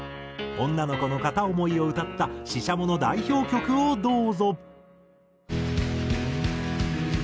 女の子の片思いを歌ったＳＨＩＳＨＡＭＯの代表曲をどうぞ。